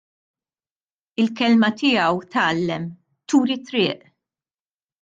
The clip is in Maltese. Il-kelma tiegħu tgħallem, turi t-triq.